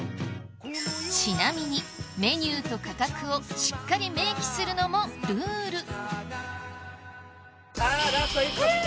ちなみにメニューと価格をしっかり明記するのもルールさあラスト１個見て。